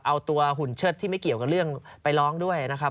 เอาตัวหุ่นเชิดที่ไม่เกี่ยวกับเรื่องไปร้องด้วยนะครับ